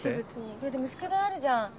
いやでも宿題あるじゃん。